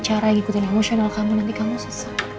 saya ikutin emosional kamu nanti kamu susah